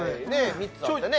３つあったね